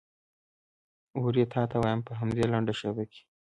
اورې تا ته وایم په همدې لنډه شېبه کې.